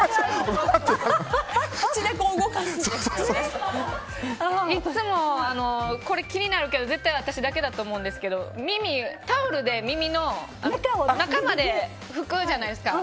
いつもこれ気になるんですけど絶対私だけだと思うんですけどタオルで耳の中まで拭くじゃないですか。